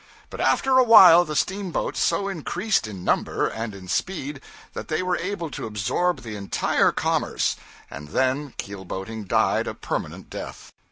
But after a while the steamboats so increased in number and in speed that they were able to absorb the entire commerce; and then keelboating died a permanent death.